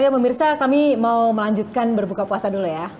ayo mbak mirsa kami mau melanjutkan berbuka puasa dulu ya